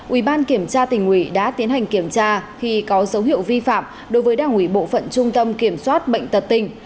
ubnd đã tiến hành kiểm tra khi có dấu hiệu vi phạm đối với đảng ủy bộ phận trung tâm kiểm soát bệnh tật tình